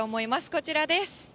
こちらです。